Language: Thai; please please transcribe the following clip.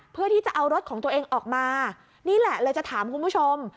เพื่อที่จะเอารถของตัวเองออกมานี่แหละเลยจะถามคุณผู้ชม